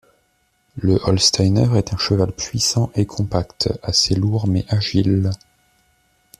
Le holsteiner est un cheval puissant et compact, assez lourd mais agile.